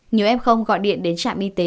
nhiều f gọi điện đến trạm y tế